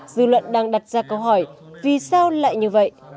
dư luận đang đặt ra câu hỏi vì sao lại như vậy